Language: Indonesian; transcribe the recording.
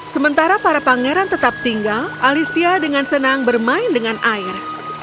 sementara para pangeran tetap tinggal alicia dengan senang bermain dengan air